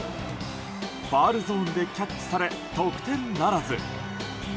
ファウルゾーンでキャッチされ得点ならず。